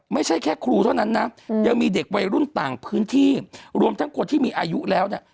ไม่ใช่แค่ครูเท่านั้นนะยังมีเด็กวัยรุ่นต่างพื้นที่รวมทั้งคนที่มีอายุแล้วเนี่ย